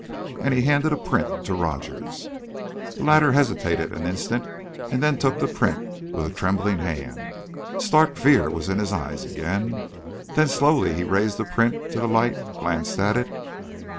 and he handed a print to Rogers. The latter hesitated an instant, and then took the print with a trembling hand. Stark fear was in his eyes again; then slowly he raised the print to the light, glanced at it....